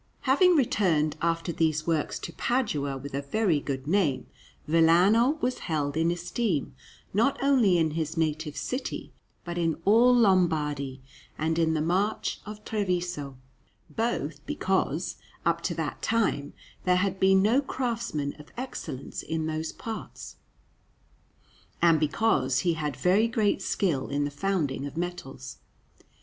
Antonio_) Anderson] Having returned after these works to Padua with a very good name, Vellano was held in esteem not only in his native city, but in all Lombardy and in the March of Treviso, both because up to that time there had been no craftsmen of excellence in those parts, and because he had very great skill in the founding of metals.